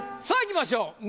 さあいきましょう。